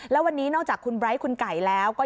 แล้ววันนี้นอกจากคุณไบร์ทคุณไก่แล้วก็